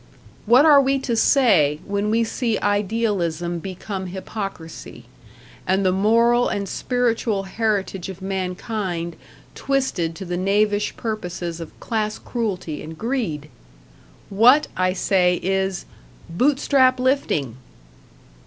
What are we to say when we see idealism become hypocrisy, and the moral and spiritual heritage of mankind twisted to the knavish purposes of class cruelty and greed? What I say is Bootstrap lifting!